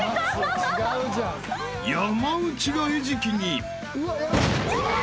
［山内が餌食に］